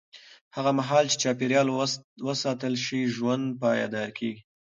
هغه مهال چې چاپېریال وساتل شي، ژوند پایدار کېږي.